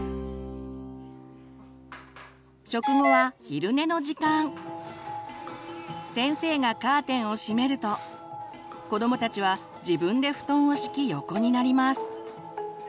食後は先生がカーテンをしめると子どもたちは自分で布団を敷き横になります。